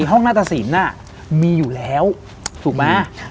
ห้องหน้าตะสินมีอยู่แล้วถูกไหม